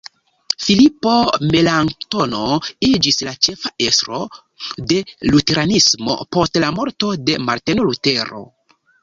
Filipo Melanktono iĝis la ĉefa estro de luteranismo post la morto de Marteno Lutero.